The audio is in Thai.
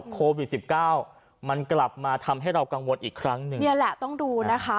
โควิดสิบเก้ามันกลับมาทำให้เรากังวลอีกครั้งหนึ่งนี่แหละต้องดูนะคะ